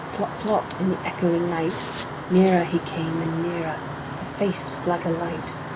Tlot tlot, in the echoing night! Nearer he came and nearer! Her face was like a light!